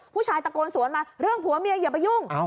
ผู้ชายตะโกนสวนมาเรื่องผัวเมียอย่าไปยุ่ง